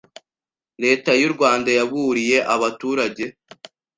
Leta y'u Rwanda yaburiye abaturage